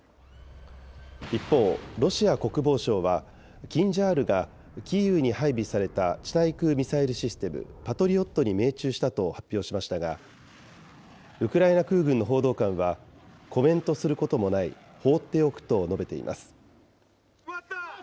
一方、ロシア国防省は、キンジャールが、キーウに配備された地対空ミサイルシステム、パトリオットに命中したと発表しましたが、ウクライナ空軍の報道官は、コメントすることもない、放っておくと述べています。